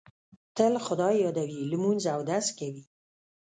تل خدای یادوي، لمونځ اودس کوي.